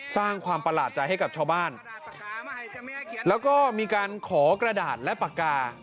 สร้างความประหลาดใจให้กับชาวบ้านแล้วก็มีการขอกระดาษและปากกา